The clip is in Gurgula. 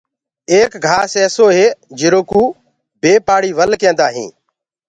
ايڪ گھآس ايسو هي جرو ڪوُ بي پآڙي ول ڪيندآ هينٚ۔